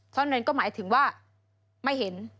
เท่านั้นก็หมายถึงว่าไม่เห็น